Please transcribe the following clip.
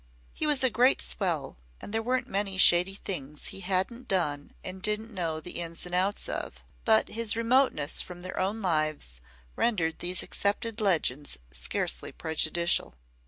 He was a great swell and there weren't many shady things he hadn't done and didn't know the ins and outs of, but his remoteness from their own lives rendered these accepted legends scarcely prejudicial.